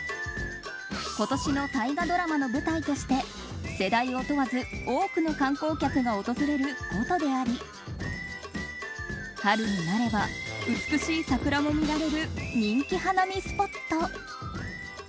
今年の大河ドラマの舞台として世代を問わず多くの観光客が訪れる古都であり春になれば美しい桜も見られる人気花見スポット。